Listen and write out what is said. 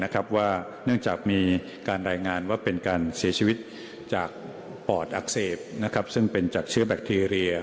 เนื่องจากมีการรายงานว่าเป็นการเสียชีวิตจากปอดอักเสบซึ่งเป็นจากเชื้อแบคทีเรีย